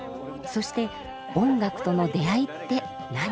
そして音楽との出会いって何？